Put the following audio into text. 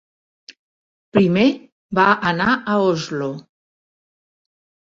Primer va anar a Oslo.